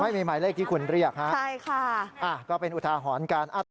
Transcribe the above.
ไม่มีหมายเลขที่คุณเรียกฮะใช่ค่ะอ่ะก็เป็นอุทาหรณ์การอัด